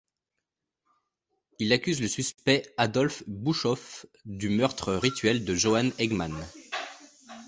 Il accuse le suspect Adolph Buschhoff du meurtre rituel de Johann Hegman.